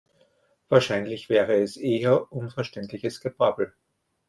Wahrscheinlich wäre es eher unverständliches Gebrabbel.